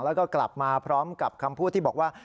แล้วก็กลับมาพร้อมกับคำพูดที่บอกว่า